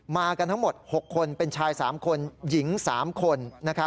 มากันทั้งหมด๖คนเป็นชาย๓คนหญิง๓คน